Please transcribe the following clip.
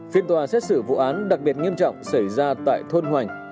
phiên tòa xét xử vụ án đặc biệt nghiêm trọng xảy ra tại thôn hoành